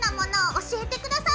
教えてください！